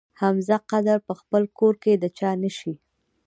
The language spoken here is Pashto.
حمزه قدر په خپل کور کې د چا نه شي.